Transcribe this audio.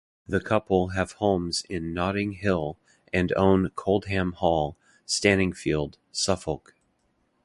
The couple have homes in Notting Hill, and own Coldham Hall, Stanningfield, Suffolk.